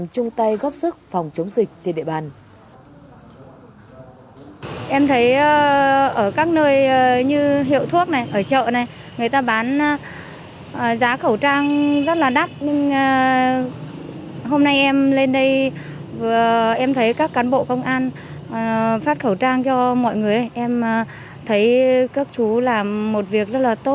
chung tay góp sức phòng chống dịch trên địa bàn